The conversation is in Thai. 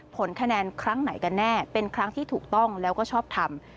ผลคะแนนครั้งไหนกันแน่เป็นครั้งที่ถูกต้องแล้วก็ชอบทำ